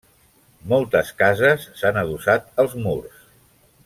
Moltes cases s'han adossat als murs.